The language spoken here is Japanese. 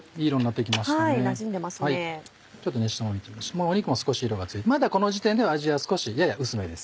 もう肉も少し色がついてまだこの時点では味は少しやや薄めです。